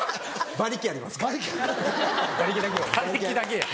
馬力だけや。